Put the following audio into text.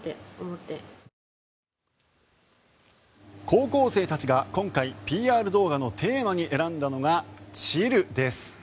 高校生たちが今回、ＰＲ動画のテーマに選んだのがチルです。